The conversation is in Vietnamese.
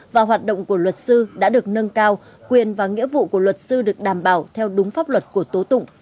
và hoạt động của luật sư đã được nâng cao quyền và nghĩa vụ của luật sư được đảm bảo theo đúng pháp luật của tố tụng